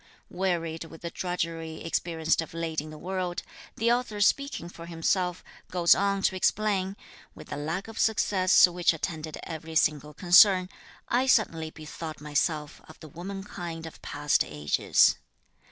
Wearied with the drudgery experienced of late in the world, the author speaking for himself, goes on to explain, with the lack of success which attended every single concern, I suddenly bethought myself of the womankind of past ages.